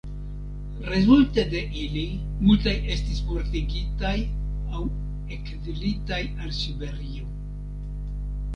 Rezulte de ili multaj estis mortigitaj aŭ ekzilitaj al Siberio.